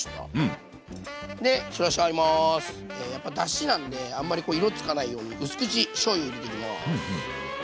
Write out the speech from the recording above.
やっぱだしなんであんまりこう色つかないようにうす口しょうゆ入れていきます。